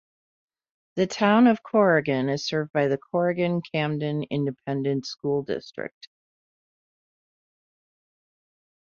The Town of Corrigan is served by the Corrigan-Camden Independent School District.